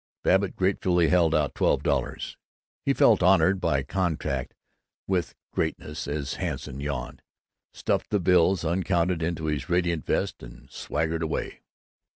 Babbitt gratefully held out twelve dollars. He felt honored by contact with greatness as Hanson yawned, stuffed the bills, uncounted, into his radiant vest, and swaggered away.